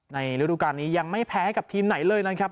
ฤดูการนี้ยังไม่แพ้กับทีมไหนเลยนะครับ